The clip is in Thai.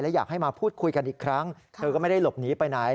อยากให้มาพูดคุยกันอีกครั้งเธอก็ไม่ได้หลบหนีไปไหน